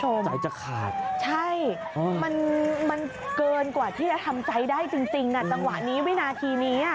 โอ้โหคุณผู้ชมใช่มันเกินกว่าที่จะทำใจได้จริงน่ะต่างหวะนี้วินาทีนี้